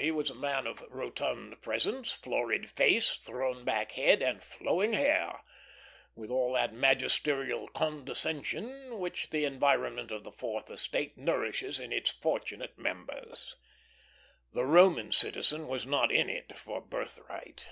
He was a man of rotund presence, florid face, thrown back head, and flowing hair, with all that magisterial condescension which the environment of the Fourth Estate nourishes in its fortunate members; the Roman citizen was "not in it" for birthright.